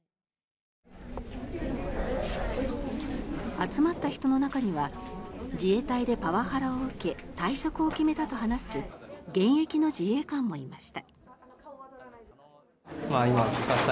集まった人の中には自衛隊でパワハラを受け退職を決めたと話す現役の自衛官もいました。